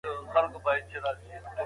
هغوی د خپل وجود په قوي ساتلو بوخت دي.